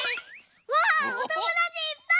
わあおともだちいっぱい！